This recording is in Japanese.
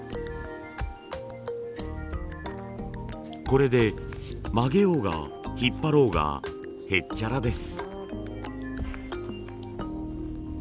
これで曲げようが引っ張ろうがへっちゃらです。